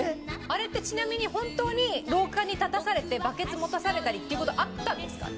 あれってちなみに本当に廊下に立たされてバケツ持たされたりっていう事はあったんですか？